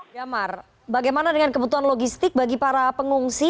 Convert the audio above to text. jamar bagaimana dengan kebutuhan logistik bagi para pengungsi